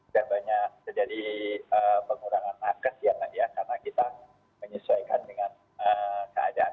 sudah banyak terjadi pengurangan nakes karena kita menyesuaikan dengan keadaan